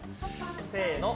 せの。